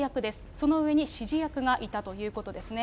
その上に指示役がいたということですね。